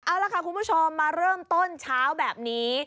เอาล่ะค่ะคุณผู้ชมมาเริ่มต้นเช้าแบบนี้